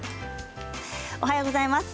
おはようございます。